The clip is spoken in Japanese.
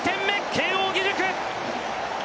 慶応義塾！